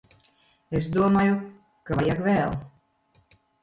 Es domāju ka vajag vēl.